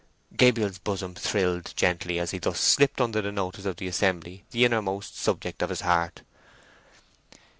Gabriel's bosom thrilled gently as he thus slipped under the notice of the assembly the inner most subject of his heart.